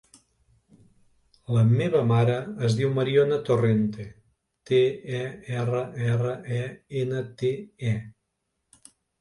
La meva mare es diu Mariona Torrente: te, o, erra, erra, e, ena, te, e.